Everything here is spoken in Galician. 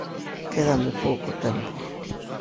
Quédame pouco tempo.